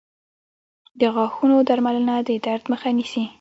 • د غاښونو درملنه د درد مخه نیسي.